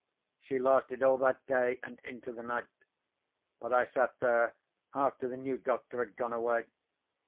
"She lasted all that day and into the night. But I sat there after the new doctor had gone away.